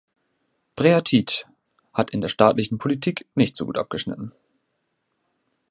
Breathitt hat in der staatlichen Politik nicht so gut abgeschnitten.